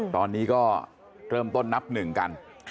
ตอนนี้ก็เริ่มต้นนับหนึ่งกัน